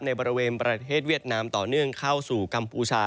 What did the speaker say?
ในบริเวณประเทศเวียดนามต่อเนื่องเข้าสู่กัมพูชา